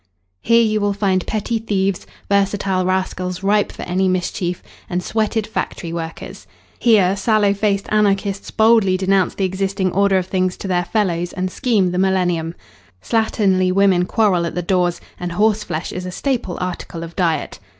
Here you will find petty thieves, versatile rascals ripe for any mischief, and sweated factory workers; here sallow faced anarchists boldly denounce the existing order of things to their fellows and scheme the millennium. Slatternly women quarrel at the doors, and horse flesh is a staple article of diet.